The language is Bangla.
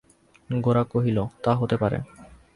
গোরা কহিল, তা হতে পারে।